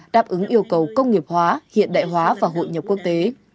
đáp ứng yêu cầu công nghiệp hóa hiện đại hóa và hội nhập quốc tế